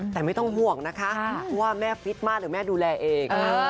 แต่ไม่ต้องห่วงนะคะว่าแม่ฟิตมากหรือแม่ดูแลเอง